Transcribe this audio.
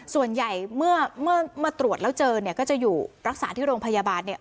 ส่วนใหญ่เมื่อตรวจแล้วเจอเนี่ยก็จะอยู่รักษาที่โรงพยาบาลเนี่ย